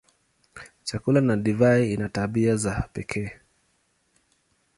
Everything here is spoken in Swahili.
Chakula na divai ina tabia za pekee.